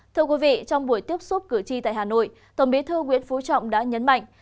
thưa quý vị trong buổi tiếp xúc cử tri tại hà nội tổng bí thư nguyễn phú trọng đã nhấn mạnh